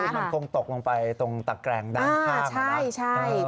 คือมันคงตกลงไปตรงตะแกรงด้านข้างนะ